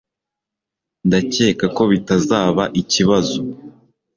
Ndakeka ko bitazaba ikibazo.